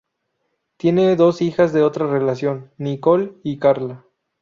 Tiene dos hijas de otra relación., Nicole y Carla.